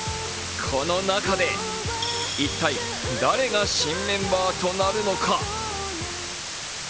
この中で一体誰が新メンバーとなるのか。